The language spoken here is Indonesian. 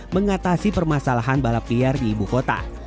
mengatasi permasalahan balap liar di ibu kota